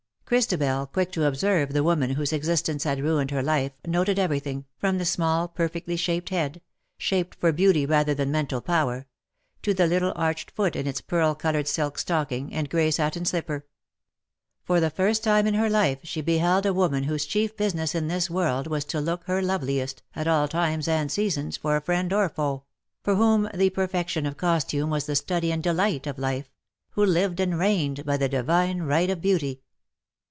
Christabel, quick to observe the woman whose existence had ruined her life, noted everything, from the small perfectly shaped head — shaped for beauty rather than mental power — to the little arched foot in its pear] coloured silk stocking, and grey satin ^^LOVE IS LOVE FOR EVERMORE." 283 slipper. For the first time in her life she beheld a woman whose chief business in this world was to look her loveliest,, at all times and seasons, for friend or foe — for whom the perfection of costume was the study and delight of life — who lived and reigned by the divine right of beauty.